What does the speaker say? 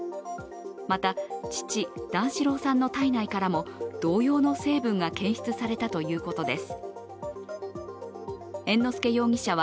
また父・段四郎さんの体内からも同様の成分が検出されたということです。